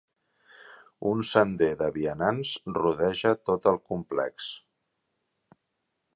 Un sender de vianants rodeja tot el complex.